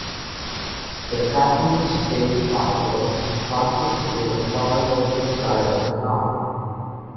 The Taconic State Parkway passes through the far western side of the town.